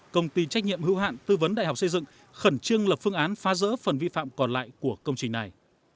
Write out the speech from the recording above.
công ty trách nhiệm hữu hạn tư vấn đại học xây dựng khẩn trương lập phương án phá rỡ phần vi phạm còn lại của công trình này